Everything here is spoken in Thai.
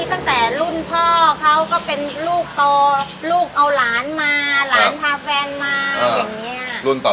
เป็นหลายรุ่นเลยลูกค้านี่ตั้งแต่รุ่นพ่อเค้าก็เป็นลูกโต